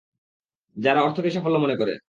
যারা অর্থকেই সাফল্য মনে করে।